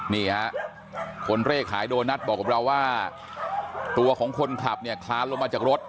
นี่ฮะคนเลขขายโดนัทบอกกับเราว่าตัวของคนขับเนี่ยคลานลงมาจากรถ